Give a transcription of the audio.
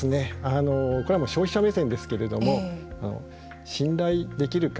これは消費者目線ですけれども信頼できるか